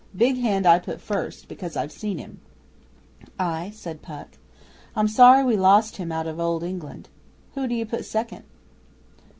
Big Hand I put first, because I've seen him.' 'Ay,' said Puck. 'I'm sorry we lost him out of Old England. Who d'you put second?